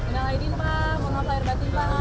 terima kasih oh iya ya